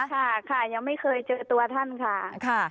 ค่ะค่ะยังไม่เคยเจอตัวท่านค่ะ